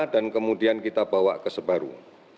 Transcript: dan kemudian kita bawa ke subaru